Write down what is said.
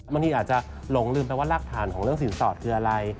บางทีอาจจะหลงลืมไปว่ารากฐานของเรื่องสินสอดคืออะไร